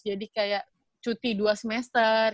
jadi kayak cuti dua semester